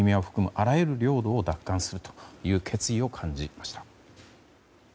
あらゆる領土を奪還するという決意を感じました。